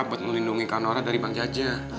buat melindungi kak nora dari bang jajah